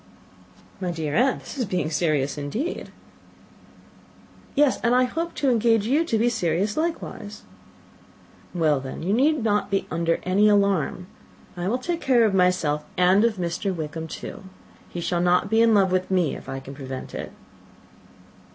"My dear aunt, this is being serious indeed." "Yes, and I hope to engage you to be serious likewise." "Well, then, you need not be under any alarm. I will take care of myself, and of Mr. Wickham too. He shall not be in love with me, if I can prevent it."